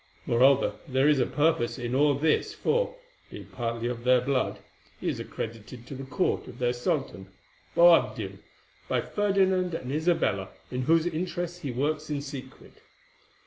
Moreover, there is a purpose in all this, for, being partly of their blood, he is accredited to the court of their sultan, Boabdil, by Ferdinand and Isabella in whose interests he works in secret.